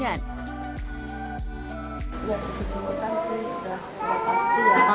ya kesimpulannya sih udah nggak pasti ya